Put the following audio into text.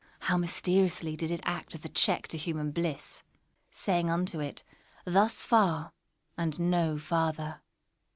How mysteriously did it act as a check to human bliss—saying unto it "thus far, and no farther!"